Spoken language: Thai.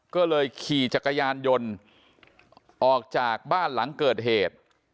ก็เลยขี่จักรยานยนต์ออกจากบ้านหลังเกิดเหตุ